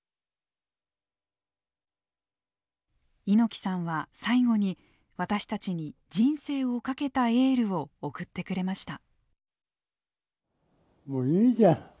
猪木さんは最後に私たちに人生を懸けたエールを送ってくれました。